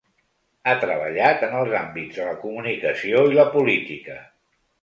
Ha treballat en els àmbits de la comunicació i la política.